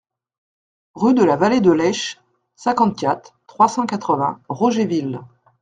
Rue de la Vallée de l'Esch, cinquante-quatre, trois cent quatre-vingts Rogéville